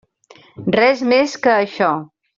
Res més que això.